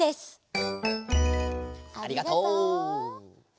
ありがとう。